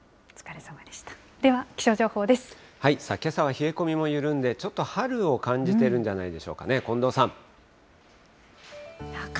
では、気さあ、けさは冷え込みも緩んで、ちょっと春を感じているんじゃないでしょうかね、近藤さん。